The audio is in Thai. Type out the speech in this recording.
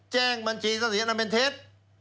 แจ้งบัญชีทรัพย์สินอันเป็นเท็จ